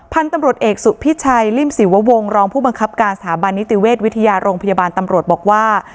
พันธุ์ตำรวจเอกสุพิชัยริมศิววงศ์รองผู้บังคับการสถาบันนิติเวชวิทยาโรงพยาบาลตำรวจบอกว่า